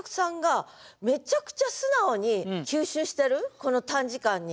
この短時間に。